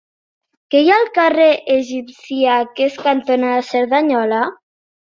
Què hi ha al carrer Egipcíaques cantonada Cerdanyola?